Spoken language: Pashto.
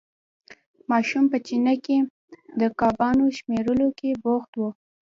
ماشوم په چینه کې د کبانو شمېرلو کې بوخت وو.